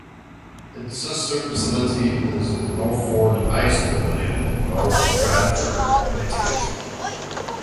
Its sister facility is the Northford Ice Pavilion in North Branford, Connecticut.